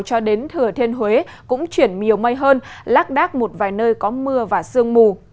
cho đến thừa thiên huế cũng chuyển nhiều mây hơn lác đác một vài nơi có mưa và sương mù